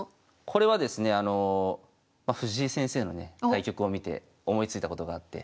これはですね藤井先生のね対局を見て思いついたことがあって。